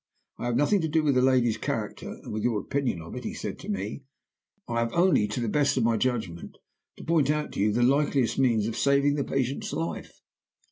'I have nothing to do with the lady's character, and with your opinion of it,' he said to me. 'I have only, to the best of my judgment, to point out to you the likeliest means of saving the patient's life.